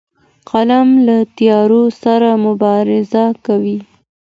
قلم له تیارو سره مبارزه کوي